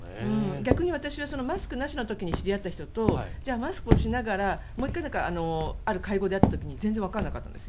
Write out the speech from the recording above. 逆に私はマスクなしの時に知り合った人とじゃあマスクをしながらもう１回、ある会合で会った時に全然わからなかったんです。